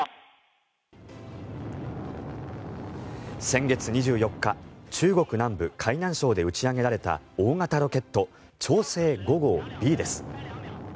先月２４日中国南部、海南省で打ち上げられた大型ロケット、長征５号Ｂです。